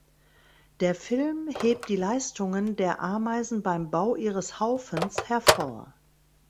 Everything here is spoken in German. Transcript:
Der Film hebt die Leistungen der Ameisen beim Bau ihres Haufens hervor.